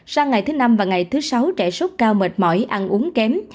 sang ngày thứ năm và ngày thứ sáu trẻ sốt cao mệt mỏi ăn uống kém